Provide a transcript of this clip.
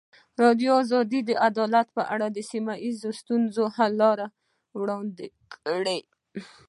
ازادي راډیو د عدالت په اړه د سیمه ییزو ستونزو حل لارې راوړاندې کړې.